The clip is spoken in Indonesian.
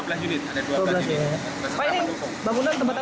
pak ini bangunan tempat apa